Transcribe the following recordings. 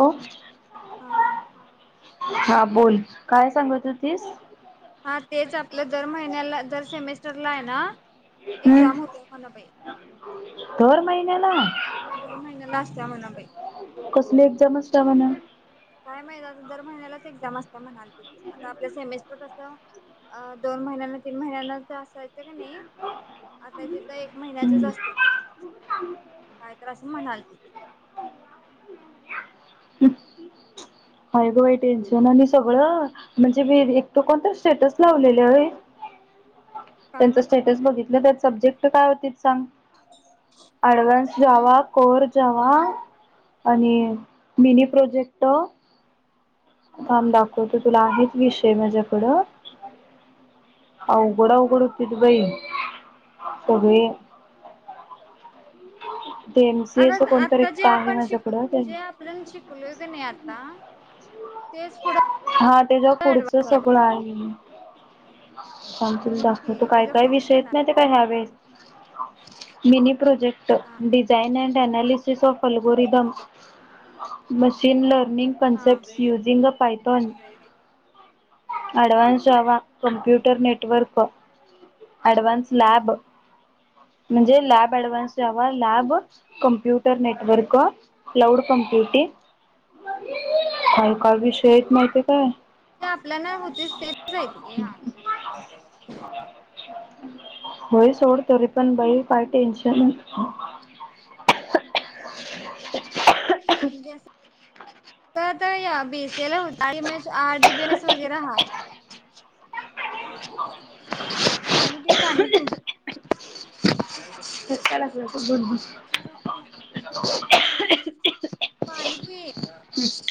हो हा हा बोल काय सांगतू तीस हा तेच आपलं दर महिन्याला दर सेमेस्टरला आहे ना एक् हम्म जााम होत हो ना भाई दर महिन्याला महिन्याला असत्या म्हणा बाई कसली एक्झाम तवण काय महि दर महिन्यालाच एक्झाम असते म्हणाल तिथे आता आपल्या सेमेस्टर कसं अ दोन महिन्यांना तीन महिन्यांना तर असायचं का नाही आता तिथ एक महिन्याचच हम्म असते मला काय तर असं म्हणाल तथ हय ग बाई टेन्शन आणि सगळं म्हणजे मी एक तर कोणत स्टेटस लावलेला आहे काय त्यांच स्टेटस बघितलं त्यात सब्जेक्ट काय होती सांग अडवन्स म्हण जावा कोर जवार आणि मिनी प्रोजेक्टर थांब दाखवतो तुला आहेच विषय माझ्याकडं हो बड पुडती त बाई सगळे ते एमसीएच अगं कोणतरी आता जे एकट आहे आपण शिकल माझ्याकडं जे आपण शिकलोय की नाही आता तेच पुढं हा त्याच्या पुढचं ऍडव्हान्स सगळं बघा आहे. सांतील बघ द तू की काय तिच्या काय पुढचंच आहे विषयेत ना नाही ते काय ह्यावे मीनी प्रोजेक्ट हा design and analysis of algorithm machine learning हा कॉन्सेप्ट् युझिंग अ पायथॉन अडवानस आवा कमप्यूटर नेटवर्क अडवानस लाॅब हा म्हणजे लॅब ऍडव्हान्स द्यावा lab computer network cloud compute काय काय विषय आहेत माहितीय काय ते आपल्या नाही होतेच तेच ये. होय सोड तरी पण बई फार टेन्शन [unintelligible] तर तर या बी एस ए ला होतस आरडीबीएस वगैरे हाय. पाणी पी पाणी पी. [unintelligible] पाणी पी.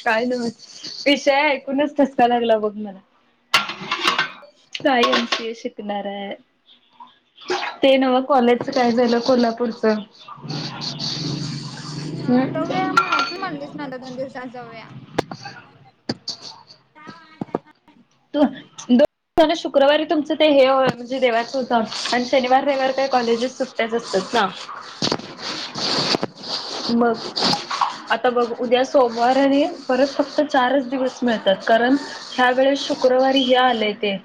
काय नव्हच विषय ऐकूनच ठसका लागला बघ मला सायमच यशिकणारार ते नव कॉलेजच काय झालं कोल्हापूरच? जाऊया तू म्हणलीस ना आता दोन दिवसा जाऊया तू दो शुक्रवारी तुमचं ते हे म्हणजे देवाात उ जान आणि शनिवार हा रविवार काही कॉलेजेस सु ट्याच असतात ना हम्म मग. आता बघ उद्या सोमवारने परत फक्त चारच दिवस मिळतात कारण ह्या वेळेस शुक्रवारी या आलंय ते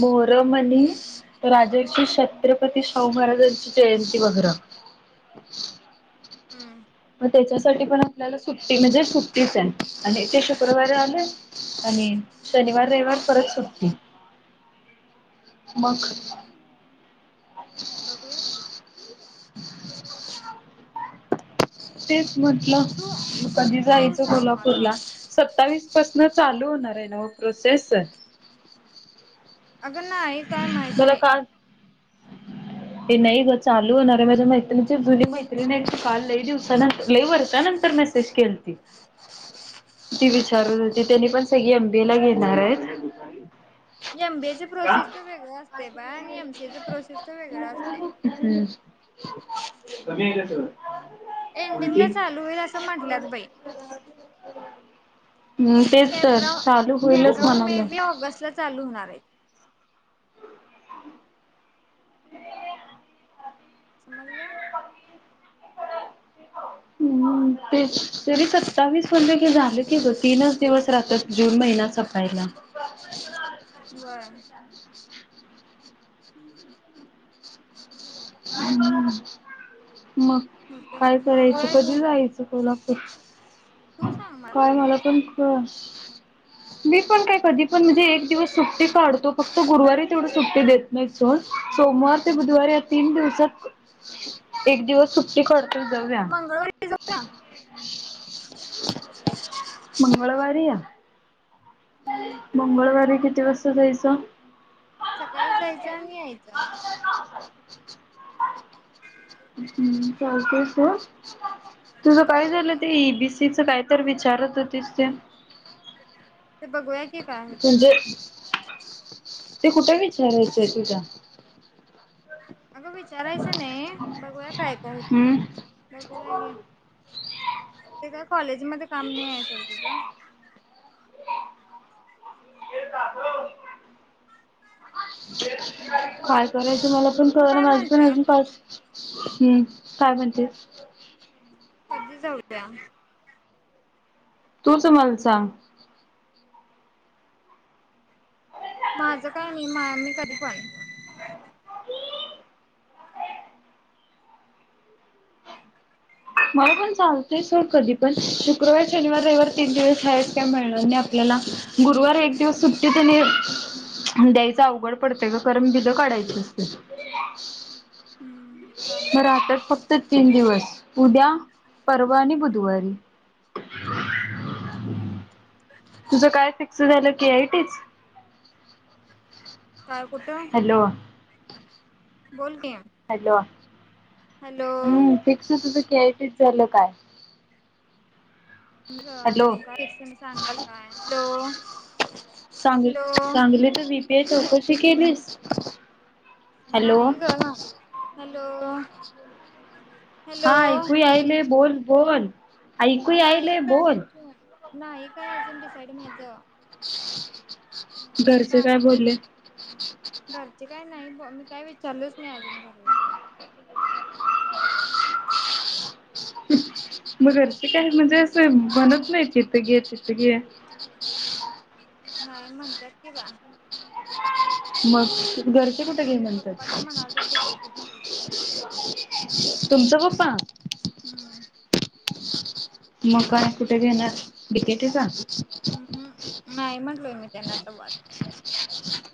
मोहरमनी आणि राजे शिव छत्रपती शाहू महाराजांची जयंती वगैरा [unintelligible] हम्म त्याच्यासाठी पण आपल्याला सुट्टी म्हणजे सुट्टीच आहे आणि ते शुक्रवारी आले आणि शनिवार रविवार परत सुटी मग हम्म हम्म बघूया की. [unintelligible] तेच म्हटलं तू तू कधी तू जायचं सांग मला कोल्हापूरला सत्तावीस पासन चालू होणार आहे ना व प्रोसेस. अगं नाही काय माहित नाही. [unintelligible] हे नाही ग चालू होणार आहे माझे मैत्री जुरी मैत्री नाही काल लई दिवसा नंतर लई वर्षा नंतर मेसेज केलती. ती विचारून होती त्यांनी पण सगळी एम बी ए ला घेणार आहेत एम बी ए चे प्रोसेस तर वेगळा असते बा आणि एमसीचा प्रोसेस तर वेगळा असते. हम्म [unintelligible] एंडिंग ला उलटी चालू होईल असं म्हंटलंत बाई हम्म तेच तर कपरा चालू होईलच कपराऊन मे म्हणालं. बी ऑगस्ट ला चालू होणार आहेत. समजल. हम्म ते तरी सत्तावीस म्हणलं क झालं कि ग तीनच दिवस राहतात जून महिन सपायला. बर. [unintelligible] [inaudible] हम्म मग, होते काय करायचं? बघूया कधी की जायचं? कोल्हापूर तू सांग काय, कधी मला पण चालेल. कळ मी पण काय, कधी पण म्हणजे, एक दिवस सुट्टी काढतो, फक्त गुरुवारी तेवढ सुट्टी देत नहीत सोड. सोमवार ते बुधवार या तीन दिवसात, एक दिवस सुट्टी खड जाऊया. [inaudible] मंगळवारी जाऊया. [inaudible] मंगळवारी या. हम्म मंगळवारी किती वाजता जायचं? सकाळी जायचं आणि यायच. हम्म, चालतय सोड. तुझ तसं काय झालं करूया. ते? ई बी सीच काय तर वि चारत होतीस ते? ते बघूया की, काय होते? म्हणजे ते कुठे विचारायचंय तुझ्या? अगं विचारायचं नई? बगूया काय काय हूतय? बगूया की. ते काय कॉलेज मध्ये काम नहीये सोड तूज. [unintelligible] [inaudible] काय करायचं मला पण तू कळना, काय माझ पण म्हणते? अजून पास हम्म, काय म्हणते? कधी जाऊ दया? तूच मल सांग. माझं काय नई, मा मी कधी पण मला पण चालतय सोड कधी पण. शुक्रवार, शनिवार, रविवार तीन दिवस आहेच, काय मिळणार नाही आपल्याला गुरुवार एक दिवस सुट्टी त्यांनी द्यायचं अवघड पडतय ग, करण बिल काडायची असतय हम्म मग चालते की राहत्यात फक्त तीन दिवस. उद्या परवा आणि बुधवारी. हम् तुझं काय फिक्स झालं, की आयटिच? काय, कुठ? [inaudible] बोल कि हॅलो हम्म, फिक्स तुझं के आय टि च झालं काय? हॅलो अजून काय [inaudible] सांगाल काय? हॅलो हॅलो सांग-सांगलीत वी पी आय चौकशी केलीस? हॅलो नाही ग हॅलो हॅलो हा ऐकू यायले. बोल, बोल. ऐकू नाही यायले बोल काय [inaudible] नाही काय अजून डिसाईड माझ. घरचे काय बोलले? घरचे काय नाही ब मी काय विचारलच नाही अजून घरला. मग घरचे काही म्हणजे, असं म्हणत नाही इथं घे तिथं घे. नाही, म्हणत्यात कि बा मग घरचे कुठ घे आमचे म्हणतात? पप्पा तर म्हणाले डिकेटी तुमच पप्पा हम्म मग काय? कुठे घेणार? [unintelligible] जा अं हम्, नाही म्हटलोय मी त्येंना तवाच.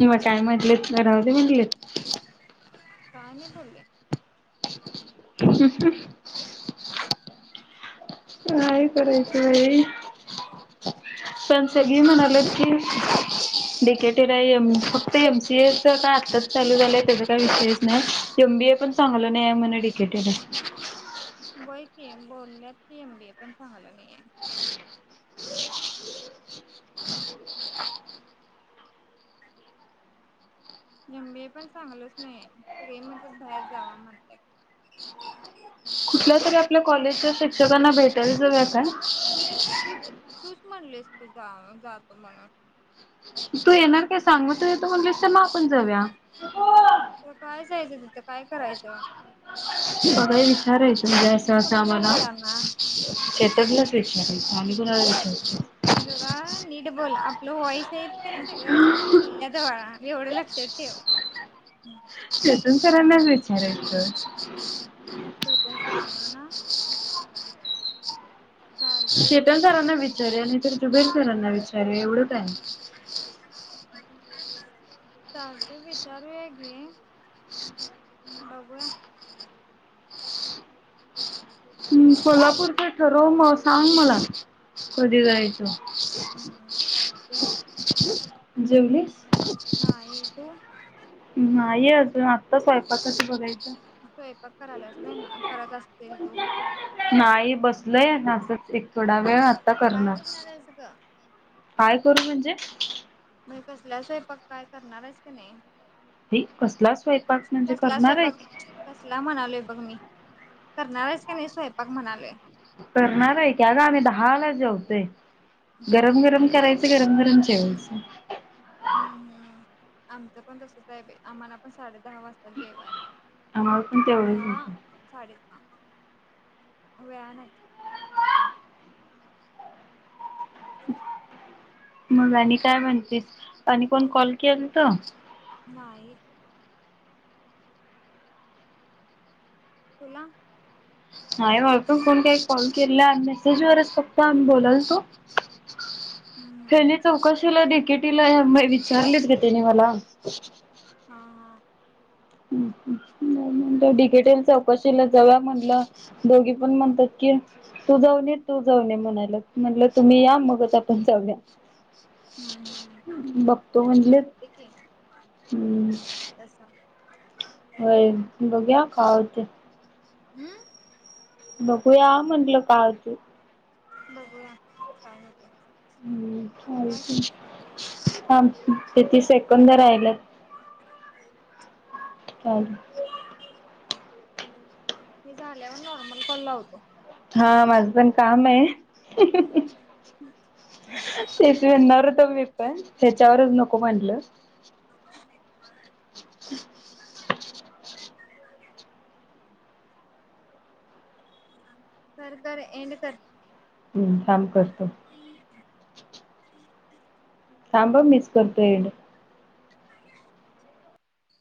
मग काय म्हटलेत? राहू दे म्हटलीत? [inaudible] काय नाही बोलले. [unintelligible] का करायचं बाई [unintelligible] पण सगळी म्हणालेत की डीकेटीला एम एमसीएच काय आत्ताच चालू झालंय त्याचा काय विषयच नाही एम बीए पण चांगल नाहीय मेडि बई. [unintelligible] बोलल्या कि एम बी एस पण चांगलं नाहे. एम बी ए पण सांगलच नाही ते म्हणतं बाहेर जावा म्हणत्यात. कुठल्या तरी आपल्या कॉलेजच्या शिक्षकांना भेटायला जाऊया काय? तूच तूच म्हणलीस की जा जातो म्हणून. तू येणार काय सांग तू येतो म्हणलीस तर आपण जाऊया. तर काय जायचं तिथं काय करायचं बघय विचारय. तसं असं कोणाला आम्हाला विचारणार शेतातलाच विचार आणि कुणाला विचार. जरा नीट बोल आपलं वॉईस हेत की नाही सगळं चालल्यात बाळा एवढं लक्षात ठेव. हम्म. चेतन सरानांच विचारायचं. चेतन सरांना ना? चालते की चेतन सरांना विचारु या नाही तर जुबेर सरांना विचारु एवढंच या. चालत विचारू या कि. बघूया. कोल्हापूरचं ठरव म सांग मला कधी जायचं. बरबर चालत्या जेवलीस? तू. नाहीे अजून आत्ता स्वयंपाकच बघाय स्वयंपाक करायला असतोय करत असतील तू. बसलंय ना असंच एक थोडा वेळात. काय करणारेस ग. काय करू म्हणजे? म्हग कसला स्वयंपाक काय करणारेस की नाही? हे कसला स्वयंपाक म्हणजे कसला करणारे स्वयंपाक की. कसला म्हणालोय मी करणारेस कि नाही स्वयंपाक म्हणालोय. करणार आहे की आग आम्ही दहा ला जेवतोय हम्म गरम गरम करायच गरम गरम जेवायच हम्म हम्म आमचं पण तसंच आहे बाई. आम्हाला पण साडे दहा वाजता जेवायला. आम्हाला पण तेवढंच वाजते. व्हॅनेयत. मग आणि काय म्हणतेस आणि कोण कॉल केलतं? नाही. तुला नाही बा कोण काही कॉल केला मेसेजवरच फक्त आम्ही बोललतो. हम्म फेली चौकशीला दी केटीला म विचारलेत ग त्याने मला. हा हा हम्म हम्म नाही. डिकेटेल चौकशीला जाऊ या म्हणलं, दोघी पण म्हणतात की तू जाऊन ये तू जाऊ ये म्हणायलं म्हटलं तुम्ही या मगच आपण जाऊया. हम्म हम्म बघतो म्हणलेत चालते की तस. व्हय बघूया काय होतय. अम्म. बघूया म्हटलं काय होतय. बघूया काय हो हं थांब किती सेकंद राहिलत? चाल हे झाल्यावर नॉर्मल कॉल लावतो. हा माझं पण काम आहे तेचणार त मी पण त्याच्यावरच नको म्हटलं आउदमबथधमभ कर करर एंड करते हम्म छांम करतो सांभव मस् करपईड